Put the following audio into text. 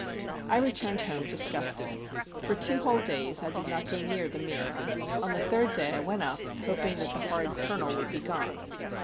I returned home disgusted. For two whole days I did not go near The Mere. On the third day I went up, hoping that the horrid Colonel would be gone.